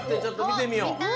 ちょっとみてみよう。